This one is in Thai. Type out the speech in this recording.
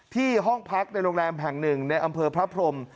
ที่ห้องพักในโรงแรมแห่ง๑ในอำเภอพระพรม